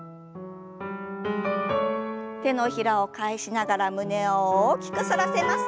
手のひらを返しながら胸を大きく反らせます。